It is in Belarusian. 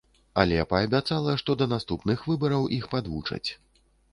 Але паабяцала, што да наступных выбараў іх падвучаць.